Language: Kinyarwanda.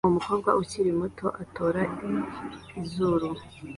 Umukobwa ukiri muto atora izuru